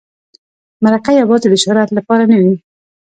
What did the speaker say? مرکه یوازې د شهرت لپاره نه وي.